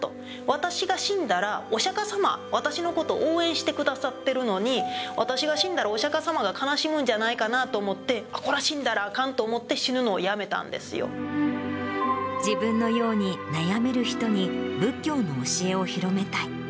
私が死んだら、お釈迦様、私のことを応援してくださっているのに、私が死んだら、お釈迦様が悲しむんじゃないかなと思って、こら、死んだらあかんと思って死自分のように悩める人に仏教の教えを広めたい。